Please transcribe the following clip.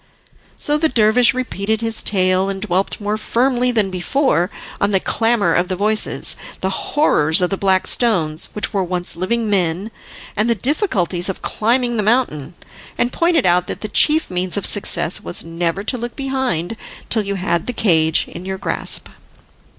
So the dervish repeated his tale, and dwelt more firmly than before on the clamour of the voices, the horrors of the black stones, which were once living men, and the difficulties of climbing the mountain; and pointed out that the chief means of success was never to look behind till you had the cage in your grasp.